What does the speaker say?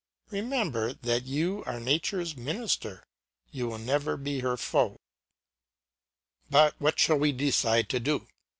Remember that you are nature's minister; you will never be her foe. But what shall we decide to do?